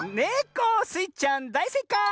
スイちゃんだいせいかい！